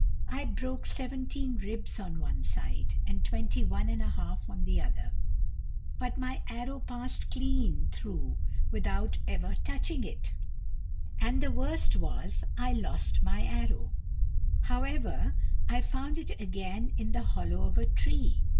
I broke seventeen ribs on one side, and twenty one and a half on the other; but my arrow passed clean through without ever touching it, and the worst was I lost my arrow: however, I found it again in the hollow of a tree.